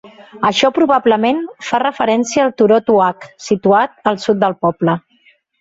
Això probablement fa referència al turó Tuach, situat al sud del poble.